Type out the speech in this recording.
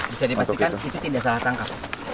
bisa dipastikan itu tidak salah tangkap